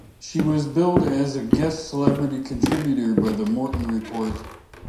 She was billed as a "Guest celebrity contributor" by "The Morton Report".